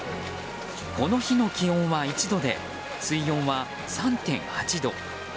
この日の気温は１度で水温は３．８度。